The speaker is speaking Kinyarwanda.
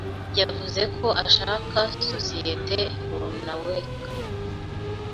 yavuze ko ashaka sosiyete runaweka.